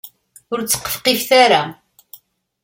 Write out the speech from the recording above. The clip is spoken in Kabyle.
Ur ttqefqifet ara.